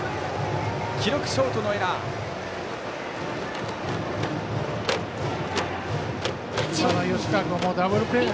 記録はショートのエラー。